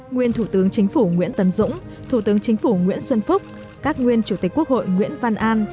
nguyên thủ tướng chính phủ nguyễn tấn dũng thủ tướng chính phủ nguyễn xuân phúc các nguyên chủ tịch quốc hội nguyễn văn an